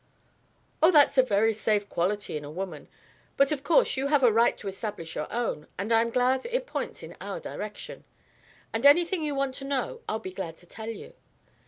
"Oh, that's a very safe quality in a woman. But of course you have a right to establish your own, and I am glad it points in our direction. And anything you want to know I'll be glad to tell you.